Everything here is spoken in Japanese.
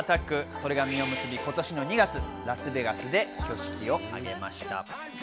それが実を結び、今年の２月ラスベガスで挙式を挙げました。